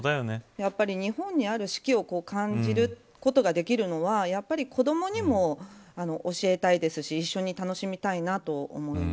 やっぱり日本にある四季を感じることができるのはやっぱり子どもにも教えたいですし本当だよ。